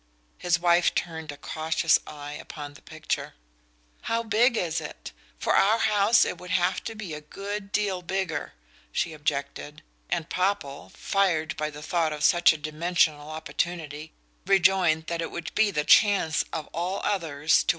His wife turned a cautious eye upon the picture. "How big is it? For our house it would have to be a good deal bigger," she objected; and Popple, fired by the thought of such a dimensional opportunity, rejoined that it would be the chance of all others to.